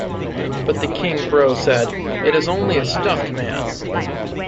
But the King Crow said, "It is only a stuffed man".